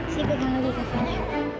siapkan lagi kafanya